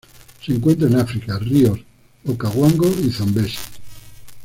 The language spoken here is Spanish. Se encuentran en África: ríos Okavango y Zambezi.